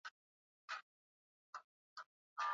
hatarini hasa sera ya Hayati Ataturk ya serekali kutoelemea